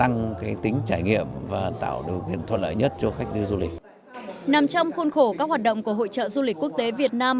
năm trong khuôn khổ các hoạt động của hội trợ du lịch quốc tế việt nam hai nghìn một mươi chín